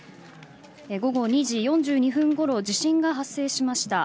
午後２時４２分ごろ地震が発生しました。